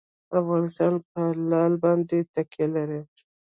افغانستان په لعل باندې تکیه لري.